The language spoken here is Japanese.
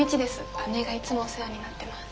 姉がいつもお世話になってます。